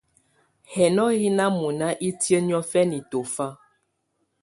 Hinô hɛ̀ nà mɔ̀na itìǝ́ niɔ̀fɛna tɔ̀fa.